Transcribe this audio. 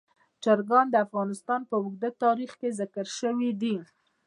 چرګان د افغانستان په اوږده تاریخ کې ذکر شوي دي.